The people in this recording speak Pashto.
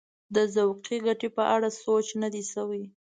د ذوقي ګټې په اړه سوچ نه دی شوی.